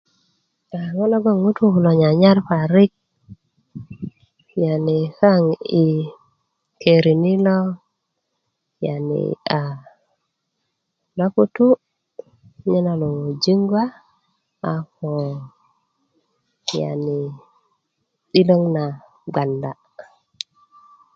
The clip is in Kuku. a ŋo' logon ŋutu kulo nyanyar parik yani kaŋ i keri ni na yani a loputu nye na luŋu jiŋgwa a ko yani 'diloŋ na gbanda